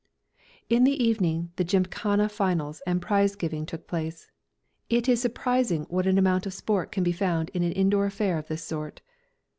_ In the evening the Gymkhana finals and prize giving took place. It is surprising what an amount of sport can be found in an indoor affair of this sort.